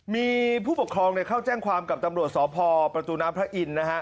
มีผู้ปกครองเข้าแจ้งความกับตำรวจสพประตูน้ำพระอินทร์นะฮะ